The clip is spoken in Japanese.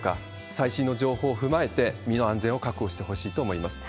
最新の情報を踏まえて、身の安全を確保してほしいと思います。